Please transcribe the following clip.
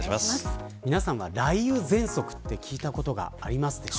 皆さんは雷雨ぜんそくって聞いたことがありますか。